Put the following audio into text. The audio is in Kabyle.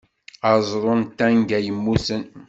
Aẓru d tanga yemmuten.